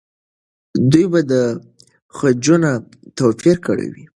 دوی به خجونه توپیر کړي وي.